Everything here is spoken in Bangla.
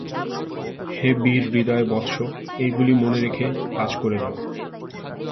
হে বীরহৃদয় বৎস, এইগুলি মনে রেখে কাজ করে যাও।